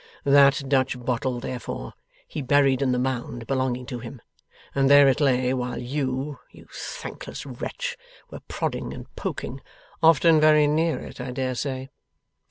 That Dutch bottle, therefore, he buried in the Mound belonging to him, and there it lay while you, you thankless wretch, were prodding and poking often very near it, I dare say.